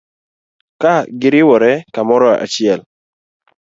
Ka giriwore kamoro achie